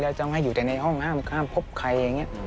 ต้องให้อยู่แต่ในห้องห้ามพบใครอย่างนี้